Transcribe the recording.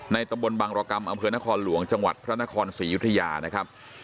ตำบลบังรกรรมอำเภอนครหลวงจังหวัดพระนครศรียุธยานะครับ